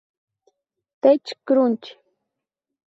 Tech Crunch.